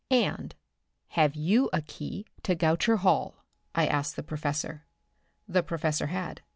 "And have you a key to Goucher Hall?" I asked the professor. The professor had.